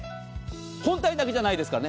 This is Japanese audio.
本体だけじゃないですからね。